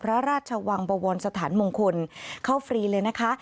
พระราชวังบวรสถานมงคลเข้าฟรีเลยนะคะ